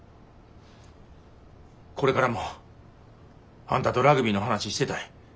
これからもあんたとラグビーの話してたい。